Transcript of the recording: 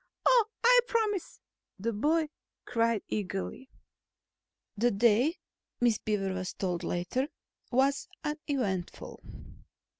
"Oh, I promise!" the boy cried eagerly. The day, Miss Beaver was told later, was uneventful.